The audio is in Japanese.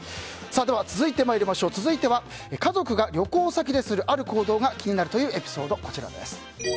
続いては家族が旅行先でするある行動が気になるというエピソード。